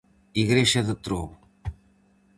Igrexa de Trobo.